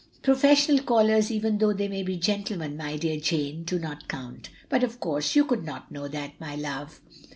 'Professional callers, even though they be gentlemen, my dear Jane, do not count. But of course you could not know that, my love.